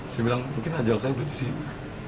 saya bilang mungkin ajal saya udah disini